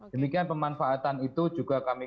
demikian pemanfaatan itu juga kami